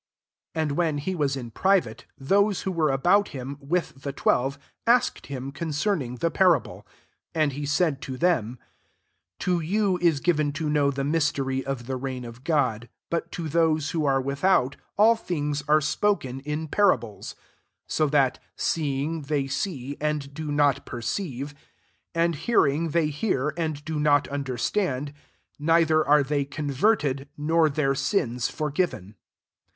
10 And when he was in pri vate, those who were about him^ with the twelve, asked him concerning the parable. 11 And he said to them, To you is given \to knowY the mystery of the reign of God : but to those who are without, all things are sfioken in parables ; 12 so that seeing they see, and do not per ceive; and hearing they hear, and do not understand, neither are they converted, nor their [«««] forgiven."